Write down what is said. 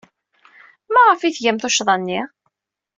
Maɣef ay tgam tuccḍa-nni?